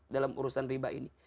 dalam urusan riba ini